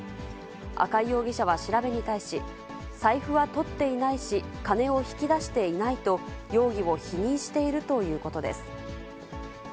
赤井容疑者は調べに対し、財布はとっていないし、金を引き出していないと、容疑を否認しているということです。